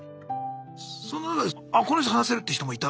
その中であこの人話せるって人もいた？